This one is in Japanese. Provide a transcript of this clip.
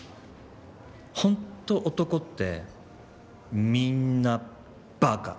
本当男ってみんな馬鹿。